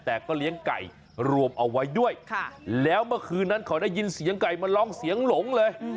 แต่ก็เลี้ยงไก่รวมเอาไว้ด้วยแล้วเมื่อคืนนั้นเขาได้ยินเสียงไก่มาร้องเสียงหลงเลย